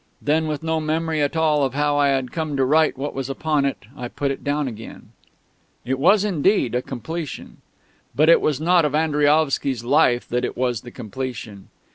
Then, with no memory at all of how I had come to write what was upon it, I put it down again. It was indeed a completion. But it was not of Andriaovsky's "Life" that it was the completion.